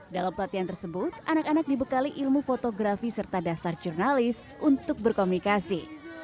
dalam pelatihan tersebut anak anak dibekali ilmu fotografi serta dasar jurnalis untuk berkomunikasi